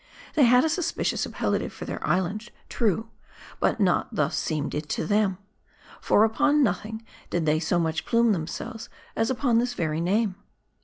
They had a suspicious appellative for their island, true ; but not thus seemed it to them. For, upon nothing did they so much plume themselves as upon this very name.